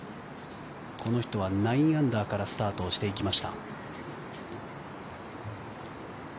この人は９アンダーからスタートしてきました。